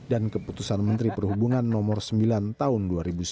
dan keputusan menteri perhubungan nomor sembilan tahun dua ribu sembilan